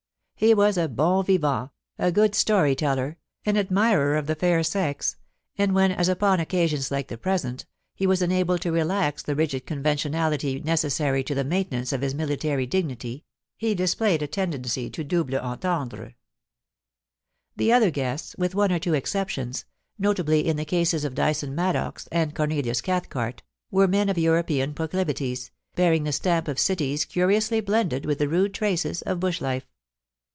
He was a* bon vivanty a good story teller an admirer of the fair sex ; and when, as upon occasions like the present, he was enabled to relax the rigid convention ality necessary to the maintenance of his military dignity he displayed a tendency to double entendre. The other guests, with one or two exceptions, notably in the cases of Dyson Maddox and Cornelius Cathcart, were men of European proclivities, bearing the stamp of cities curiously blended with the rude traces of bush life.